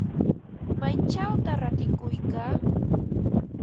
¿Maychawta ratikuykan?